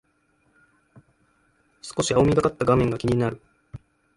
少し青みがかった画面が気になる